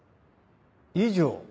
以上？